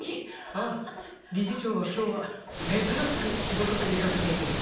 ああ理事長は今日は「珍しく」仕事で出かけていて不在です。